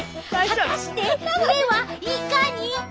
果たして目はいかに！